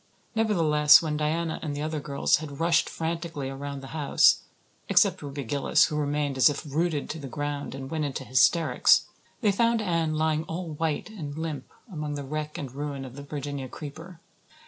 Nevertheless, when Diana and the other girls had rushed frantically around the house except Ruby Gillis, who remained as if rooted to the ground and went into hysterics they found Anne lying all white and limp among the wreck and ruin of the Virginia creeper.